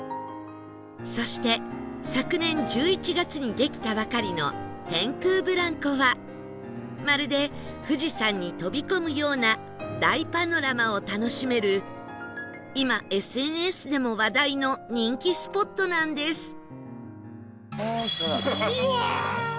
そして昨年１１月にできたばかりの天空ブランコはまるで富士山に飛び込むような大パノラマを楽しめる今 ＳＮＳ でも話題の人気スポットなんです